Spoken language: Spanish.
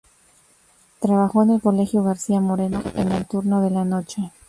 Trabajó en el colegio García Moreno en el turno de la noche.